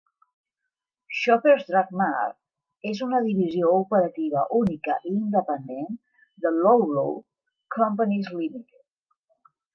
Shoppers Drug Mart és una divisió operativa única i independent de Loblaw Companies Limited.